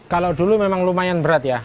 kalau dulu memang lumayan berat ya